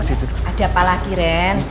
ada apa lagi ren